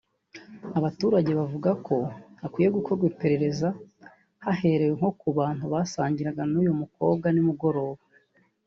Abaturage bavuga ko hakwiye gukorwa iperereza haherewe nko ku bantu basangiraga n’uyu mukobwa nimugoroba